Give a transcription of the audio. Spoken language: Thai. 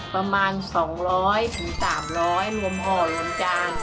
ประมาณ๒๐๐๓๐๐รวมห่อรวมจาน